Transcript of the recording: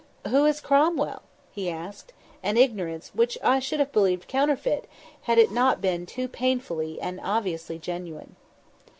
"Who is Cromwell?" he asked; an ignorance which I should have believed counterfeit had it not been too painfully and obviously genuine.